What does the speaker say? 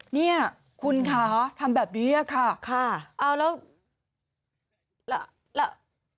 นี่คุณคะทำแบบนี้ค่ะเหล่าแล้ว